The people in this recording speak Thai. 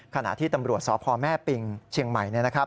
ขณะที่ตำรวจสพแม่ปิงเชียงใหม่